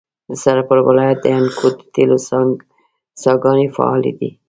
د سرپل ولایت د انګوت د تیلو څاګانې فعالې دي.